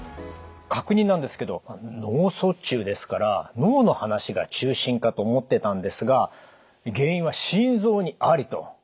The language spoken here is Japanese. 確認なんですけど脳卒中ですから脳の話が中心かと思ってたんですが「原因は心臓にあり！」と。